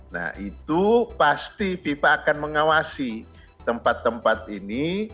nah itu pasti fifa akan mengawasi tempat tempat ini